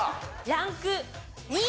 ランク２。